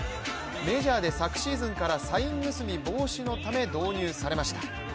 メジャーで昨シーズンからサイン盗み防止のため導入されました。